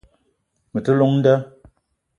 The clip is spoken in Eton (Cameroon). Me ti i llong nda